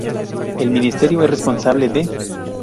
El ministerio es responsable de